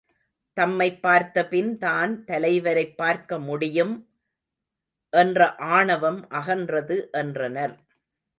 தம்மைப் பார்த்தபின் தான் தலைவரைப்பார்க்க முடியும்? என்ற ஆணவம் அகன்றது என்றனர்.